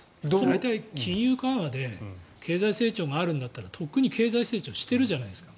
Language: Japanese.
大体、金融緩和で経済成長があるんだったらとっくに経済成長しているじゃないですか。